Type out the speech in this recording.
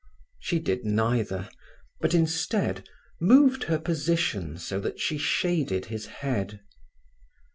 She did neither, but instead, moved her position so that she shaded his head.